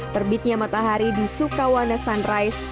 terbitnya matahari di sukawana sunrise